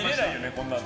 こんなの。